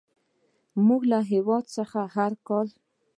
زموږ له هېواد څخه هر کال.